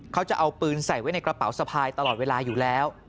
เขาจะเอาปืนใส่ไว้ในกระเป๋าสะพายตลอดเวลาอยู่แล้ว